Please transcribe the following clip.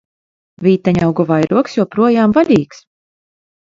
Vīteņaugu vairogs joprojām vaļīgs!